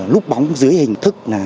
lúc bóng dưới hình thức